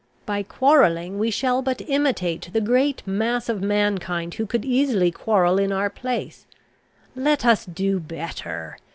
"By quarrelling we shall but imitate the great mass of mankind, who could easily quarrel in our place. Let us do better.